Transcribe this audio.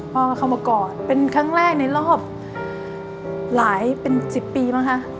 พ่อก็เข้ามากอดเป็นครั้งแรกในรอบหลายเป็น๑๐ปีมั้งคะ